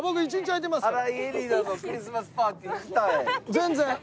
全然。